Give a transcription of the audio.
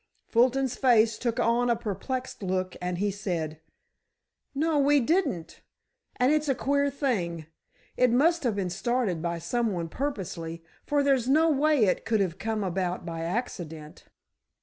Fulton's face took on a perplexed look and he said: "No, we didn't—and it's a queer thing. It must have been started by some one purposely, for there's no way it could have come about by accident."